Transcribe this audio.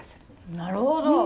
なるほど！